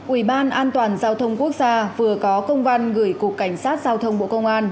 ủy ban an toàn giao thông quốc gia vừa có công văn gửi cục cảnh sát giao thông bộ công an